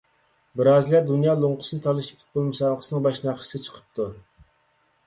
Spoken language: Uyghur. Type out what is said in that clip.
بىرازىلىيە دۇنيا لوڭقىسىنى تالىشىش پۇتبول مۇسابىقىسىنىڭ باش ناخشىسى چىقىپتۇ.